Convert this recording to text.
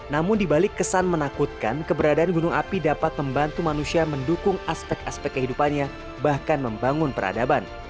namun dibalik kesan menakutkan keberadaan gunung api dapat membantu manusia mendukung aspek aspek kehidupannya bahkan membangun peradaban